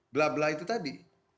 bla bla itu tadi